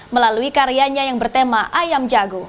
melalui karyanya yang bertema ayam jago